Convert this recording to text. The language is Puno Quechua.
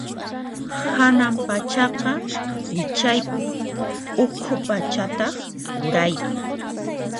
Hanaq pachaqa wichaypi, ukhu pachataq uraypi.